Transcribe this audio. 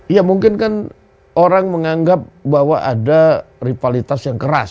ya mungkin kan orang menganggap bahwa ada rivalitas yang keras